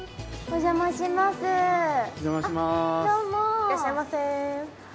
いらっしゃいませ。